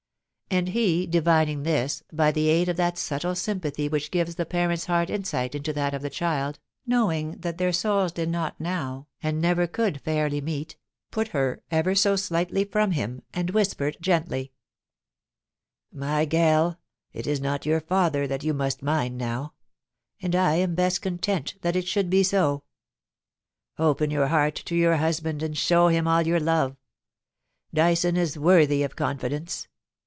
And he, divining this, by the aid of that subtle sympathy which gives the parent's heart insight into that of the child, knowing that their souls did not now, and never could fairly meet, put her ever so slightly from him, and whispered gently :* My gell, it is not your father that you must mind now, LAST WORDS. 42S and I am best content that it should be so. Open your heart to your husband, and show him all your love ; Dyson is worthy of confidence.